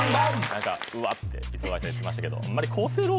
何か「うわっ！」って磯貝さん言ってましたけど。